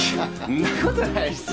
そんなことないっすよ。